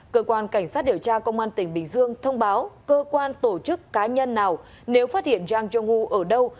cơ quan cảnh sát điều tra công an tỉnh bình dương thông báo cơ quan tổ chức cá nhân nào nếu phát hiện zhang zhonggu ở đâu